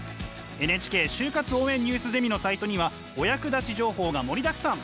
ＮＨＫ就活応援ニュースゼミのサイトにはお役立ち情報が盛りだくさん。